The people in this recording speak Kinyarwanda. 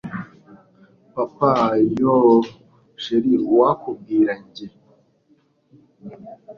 Papa yoooh Shr uwakubwira njye